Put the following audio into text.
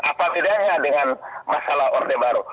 apa bedanya dengan masalah orde baru